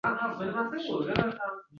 Va million yillardan buyon qo‘zichoqlar